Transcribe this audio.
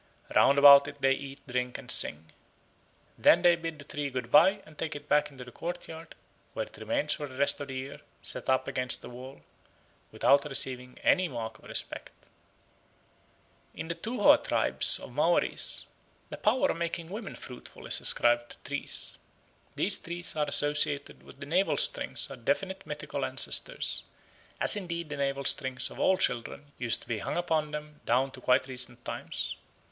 Round about it they eat, drink, and sing. Then they bid the tree good bye and take it back to the courtyard, where it remains for the rest of the year, set up against the wall, without receiving any mark of respect. In the Tuhoe tribe of Maoris "the power of making women fruitful is ascribed to trees. These trees are associated with the navel strings of definite mythical ancestors, as indeed the navel strings of all children used to be hung upon them down to quite recent times.